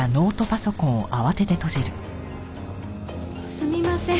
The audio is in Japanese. すみません。